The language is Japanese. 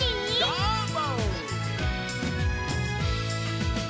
どーも！